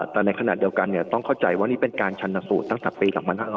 แต่ในขณะเดียวกันต้องเข้าใจว่านี่เป็นการชันสูตรตั้งแต่ปี๒๕๕๙